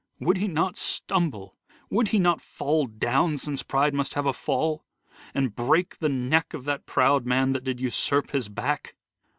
Would he not stumble ? Would he not fall down, Since pride must have a fall, and break the neck Of that proud man that did usurp his back